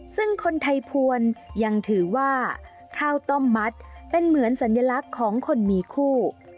ซึ่งคนไทยพวนยังถือว่าข้าวต้มมัดเป็นเหมือนสัญลักษณ์ของคนมีคู่